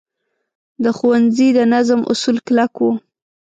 د ښوونځي د نظم اصول کلک وو.